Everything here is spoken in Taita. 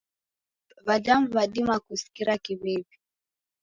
W'adamu w'adima kusikira kiw'iw'i.